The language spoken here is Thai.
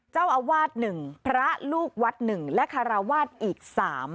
เจ้าอาวาสหนึ่งพระลูกวัดหนึ่งและคาราวาสอีกสาม